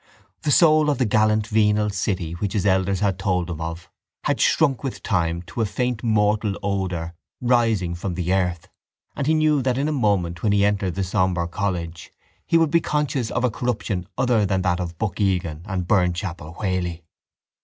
The soul of the gallant venal city which his elders had told him of had shrunk with time to a faint mortal odour rising from the earth and he knew that in a moment when he entered the sombre college he would be conscious of a corruption other than that of Buck Egan and Burnchapel Whaley.